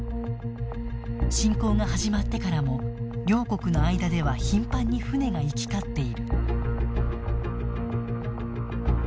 侵攻が始まってからも両国の間では頻繁に船が行き交っている。